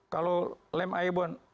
kalau lem air bon